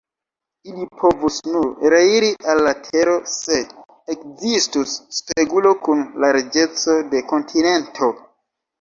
Ili povus nur reiri al la tero, se ekzistus spegulo kun larĝeco de kontinento".